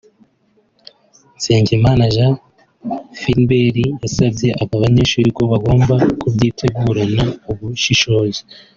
Nsengimana Jean Philbert yasabye aba banyeshuri ko bagomba kubyitegurana ubushishozi